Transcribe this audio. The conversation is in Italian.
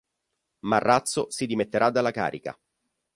Marrazzo si dimetterà dalla carica.